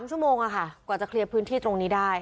๓ชั่วโมงกว่าจะเคลียร์พื้นที่ตรงนี้ได้